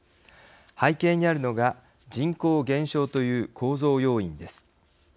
背景にあるのが人口減少という構造要因です。